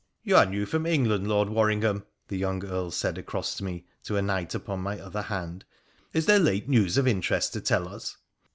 ' You are new from England, Lord Worringham,' the young Earl said across me to a knight upon my other hand •' is there late news of interest to tell us